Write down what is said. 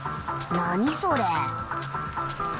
何それ？